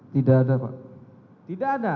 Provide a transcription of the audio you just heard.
tidak ada pak